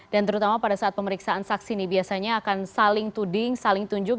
dan terutama pada saat pemeriksaan saksi ini biasanya akan saling tuding saling tunjuk